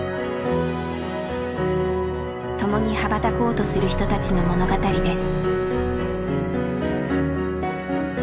共に羽ばたこうとする人たちの物語です。